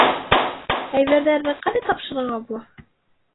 Әйберҙәрҙе ҡайҙа тапшырырға була?